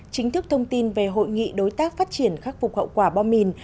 chính thức thông tin về hội nghị đối tác phát triển khắc phục hậu quả bom mìn